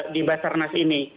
di basarnas ini